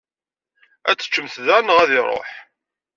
Ad t-teččemt da neɣ ad iṛuḥ?